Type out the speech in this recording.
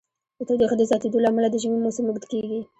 د تودوخې د زیاتیدو له امله د ژمی موسم اوږد کیږي.